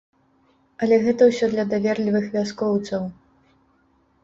Але гэта ўсё для даверлівых вяскоўцаў.